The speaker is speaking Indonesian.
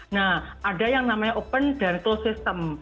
nah ada yang namanya open dan close system